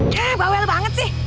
dah bawel banget sih